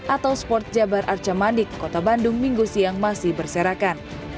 atau sport jabar arca manik kota bandung minggu siang masih berserakan